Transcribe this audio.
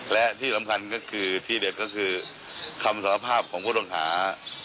และที่สำคัญก็คือที่เด็ดก็คือคำสารภาพของผู้ต้องหา